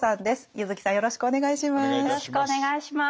柚木さんよろしくお願いします。